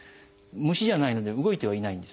虫じゃないので動いてはいないんですね。